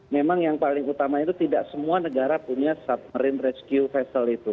memang yang paling utama itu tidak semua negara punya submarine rescue vessel itu